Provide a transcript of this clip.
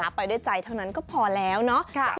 ไปด้วยใจเท่านั้นก็พอแล้วเนาะ